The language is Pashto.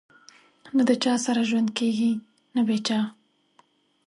نه د چا سره ژوند کېږي نه بې چا